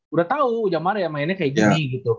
udah tau jamar yang mainnya kayak gini gitu